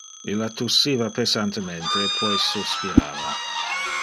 Illa tussiva pesantemente e pois suspirava.